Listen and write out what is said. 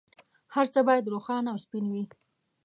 هر څه باید روښانه او سپین وي.